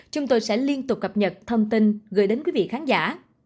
chúng tôi sẽ liên tục cập nhật thông tin gửi đến quý vị khán giả